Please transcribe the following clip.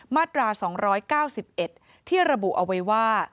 มาตรา๒๙๑ที่ระบุเอาไว้ว่า